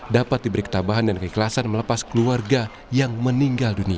dapat diberi ketabahan dan keikhlasan melepas keluarga yang meninggal dunia